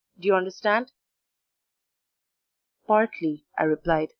Do you understand?" "Partly," I replied.